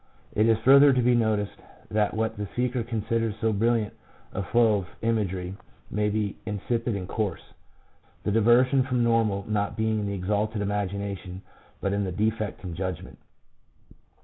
It is further to be noticed that what the speaker considers so brilliant a flow of imagery may be insipid and coarse, the diversion from normal not being in the exalted imagination, but in the defect in judgment.